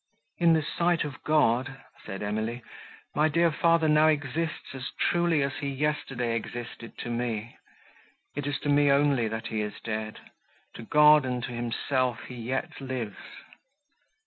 "In the sight of God," said Emily, "my dear father now exists, as truly as he yesterday existed to me; it is to me only that he is dead; to God and to himself he yet lives!"